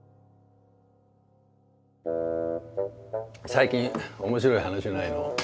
最近面白い話ないの？